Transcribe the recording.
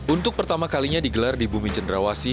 untuk pertama kalinya digelar di bumi cenderawasi